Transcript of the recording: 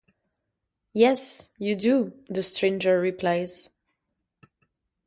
"Yes, you do," the Stranger replies.